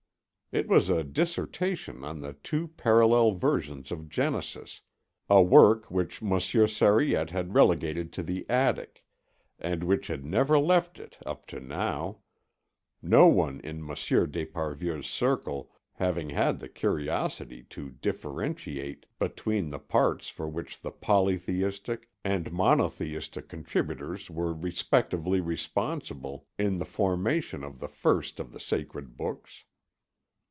It was a dissertation on the two parallel versions of Genesis, a work which Monsieur Sariette had relegated to the attic, and which had never left it up to now, no one in Monsieur d'Esparvieu's circle having had the curiosity to differentiate between the parts for which the polytheistic and monotheistic contributors were respectively responsible in the formation of the first of the sacred books.